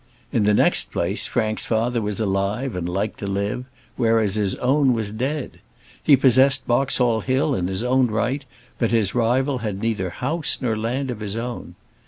In the next place, Frank's father was alive and like to live, whereas his own was dead. He possessed Boxall Hill in his own right, but his rival had neither house nor land of his own.